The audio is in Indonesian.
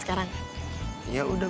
iya ref insya allah